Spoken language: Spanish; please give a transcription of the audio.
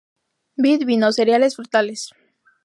Vid, vino; cereales, frutales.